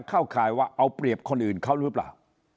ข่ายว่าเอาเปรียบคนอื่นเขาหรือเปล่า